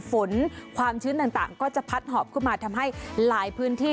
ความชื้นต่างก็จะพัดหอบขึ้นมาทำให้หลายพื้นที่